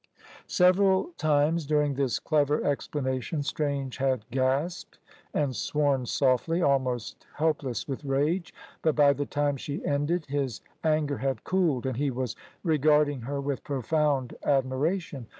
Several times during this clever explanation Strange had gasped and sworn softly, almost helpless with rage. But by the time she ended his anger had cooled, and he was regarding her with profound admiration.